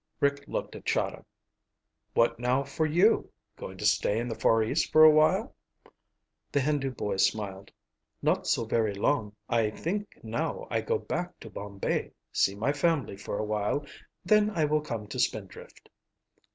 Rick looked at Chahda. "What now for you? Going to stay in the Far East for a while?" The Hindu boy smiled. "Not so very long. I think now I go back to Bombay, see my family for a while, then I will come to Spindrift."